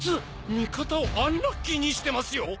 味方をアンラッキーにしてますよ！？